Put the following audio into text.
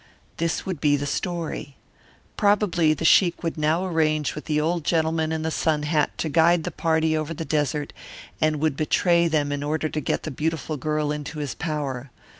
This would be the story. Probably the sheik would now arrange with the old gentleman in the sun hat to guide the party over the desert, and would betray them in order to get the beautiful girl into his power.